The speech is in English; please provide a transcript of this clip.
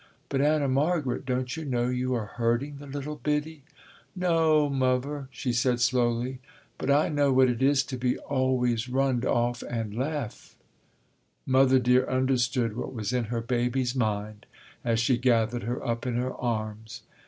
"But Anna Margaret, don't you know you are hurting the little biddie?" "No o, Muvver," she said slowly, "but I know what it is to be always runned off and lef'." Mother Dear understood what was in her baby's mind as she gathered her up in her arms.